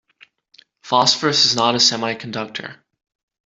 Phosphorus is not a semiconductor.